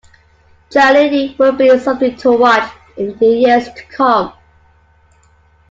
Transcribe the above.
Cheerleading will be something to watch in the years to come.